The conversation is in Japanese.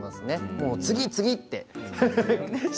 もう次、次って。